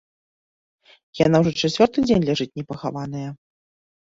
Яна ўжо чацвёрты дзень ляжыць непахаваная.